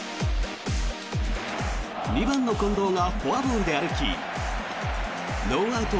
２番の近藤がフォアボールで歩きノーアウト